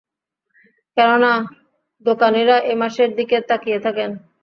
কেননা, দোকানিরা এ মাসের দিকে তাকিয়ে থাকেন।